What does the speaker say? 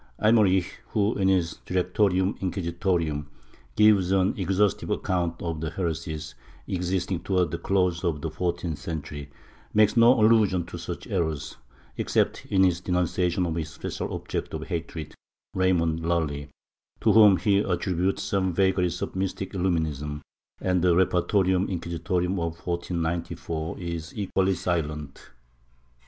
Eymerich who, in his Directorium Inquisitorum, gives an exhaustive account of heresies existing towards the close of the fourteenth century, makes no allusion to such errors, except in his denunciation of his special object of hatred Raymond Lully, to whom he attributes some vagaries of mystic illuminism, and the Repertormm Inquisitorum of 1494 is equally silent.